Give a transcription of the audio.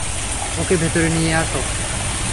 ওকে ভেতরে নিয়ে আসো।